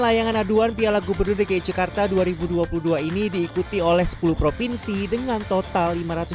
layangan aduan piala gubernur dki jakarta dua ribu dua puluh dua ini diikuti oleh sepuluh provinsi dengan total